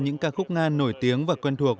những ca khúc nga nổi tiếng và quen thuộc